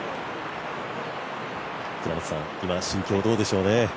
今、心境、どうでしょうね。